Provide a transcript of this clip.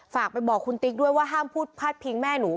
ฝากไปบอกคุณติ๊กด้วยว่าห้ามพูดพาดพิงแม่หนู